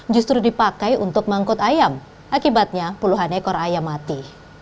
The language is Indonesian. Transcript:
justru dipakai untuk mengangkut ayam akibatnya puluhan ekor ayam mati